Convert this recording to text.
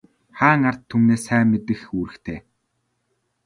Хаан ард түмнээ сайн мэдэх үүрэгтэй.